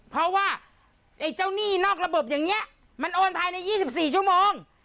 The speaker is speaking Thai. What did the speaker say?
เพราะว่าไอ้เจ้าหนี้นอกระบบอย่างนี้มันโอนภายใน๒๔ชั่วโมง